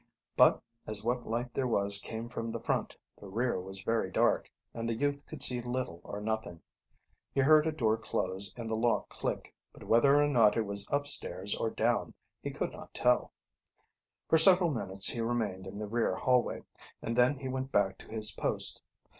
But as what light there was came from the front, the rear was very dark, and the youth could see little or nothing. He heard a door close and the lock click, but whether or not it was upstairs or down he could not tell. For several minutes he remained in the rear hallway, and then he went back to his post.